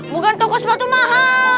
bukan toko sepatu mahal